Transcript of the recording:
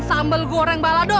sembel goreng balado